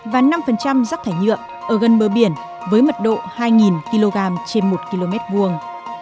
và năm rắc thải nhựa ở gần bờ biển với mật độ hai kg trên một km vuông